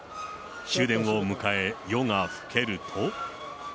終電を迎え、夜がふけると。